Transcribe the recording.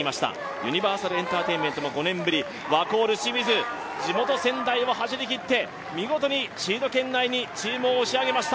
ユニバーサルエンターテインメントも５年ぶり、ワコール・清水、地元・仙台を走りきって、見事にシード権内にチームを押し上げました。